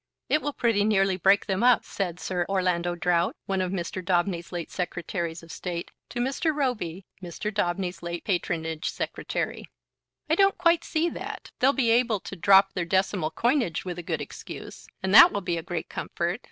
"It will pretty nearly break them up," said Sir Orlando Drought, one of Mr. Daubeny's late Secretaries of State to Mr. Roby, Mr. Daubeny's late patronage secretary. "I don't quite see that. They'll be able to drop their decimal coinage with a good excuse, and that will be a great comfort.